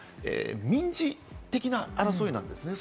いわば、民事的な争いなんですね。